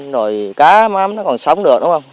rồi cá mắm nó còn sống được đúng không